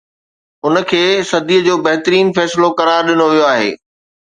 ان کي صدي جو بهترين فيصلو قرار ڏنو ويو آهي